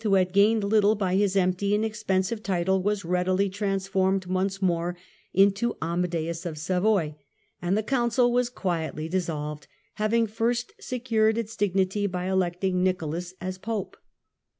who had gained little by his empty and expensive title was readily trans formed once more into Amadeus of Savoy ; and the Council was quietly dissolved, having first secured its dignity by electing Nicholas as Pope.